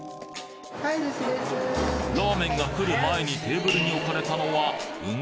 ラーメンが来る前にテーブルに置かれたのはうん？